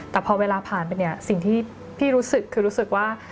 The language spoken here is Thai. แต่พอเวลาผ่านไปเนี่ยสิ่งที่พี่รู้สึกคือรู้สึกว่า